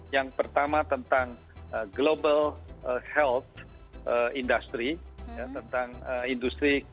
yang pertama tentang global health industry tentang industri